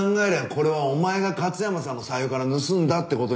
これはお前が勝山さんの財布から盗んだって事になるよな？